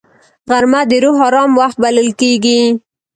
غرمه د روح آرام وخت بلل کېږي